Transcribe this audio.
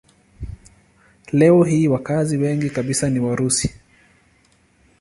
Leo hii wakazi wengi kabisa ni Warusi.